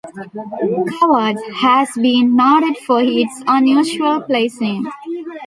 Coward has been noted for its unusual place name.